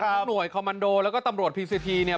หน่วยคอมมันโดแล้วก็ตำรวจพีซีทีเนี่ย